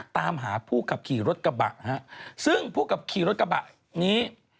ตามหาผู้ขับขี่รถกระบะฮะซึ่งผู้ขับขี่รถกระบะนี้